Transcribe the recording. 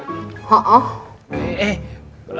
sayang banget ya bu